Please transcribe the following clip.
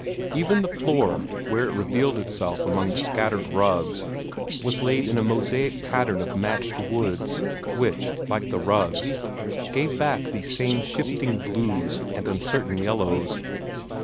Even the floor, where it revealed itself among the scattered rugs, was laid in a mosaic pattern of matched woods, which, like the rugs, gave back these same shifting blues and uncertain yellows.